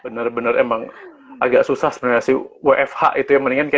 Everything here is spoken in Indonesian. bener bener emang agak susah sebenarnya sih wfh itu ya